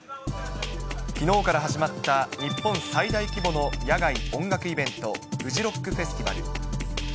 きのうから始まった日本最大規模の野外音楽イベント、フジロックフェスティバル。